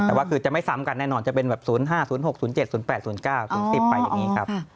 แต่ว่าคือจะไม่ซ้ำกันแน่นอนจะเป็นแบบ๐๕๐๖๐๗๐๘๐๙๐๑๐ไปอย่างนี้ครับ